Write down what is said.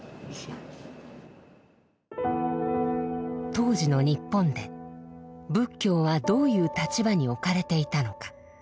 当時の日本で仏教はどういう立場に置かれていたのか。